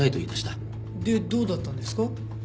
でどうだったんですか？